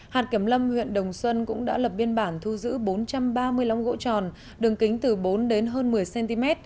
hạt kiểm lâm huyện đồng xuân cũng đã lập biên bản thu giữ bốn trăm ba mươi lóng gỗ tròn đường kính từ bốn đến hơn một mươi cm